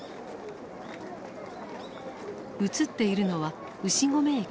映っているのは牛込駅のホーム。